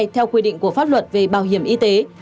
theo quy định của pháp luật về bảo hiểm y tế